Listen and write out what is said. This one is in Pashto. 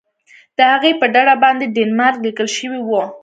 د هغې په ډډه باندې ډنمارک لیکل شوي وو.